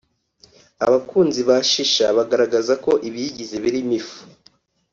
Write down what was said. Abakunzi ba Shisha bagaragazaga ko ibiyigize birimo ifu